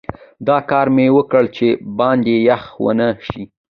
دا کار مې وکړ چې باندې یخ ونه شي.